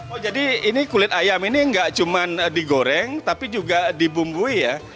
oh jadi ini kulit ayam ini nggak cuma digoreng tapi juga dibumbui ya